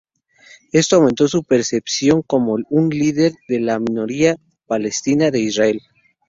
Esto aumentó su percepción como un líder de la minoría palestina de Israel.